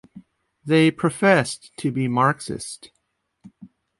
They professed to be Marxists.